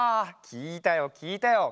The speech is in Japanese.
きいたよきいたよ。